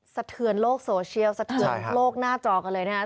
สะเทือนโลกโซเชียลสะเทือนโลกหน้าจอกันเลยนะครับ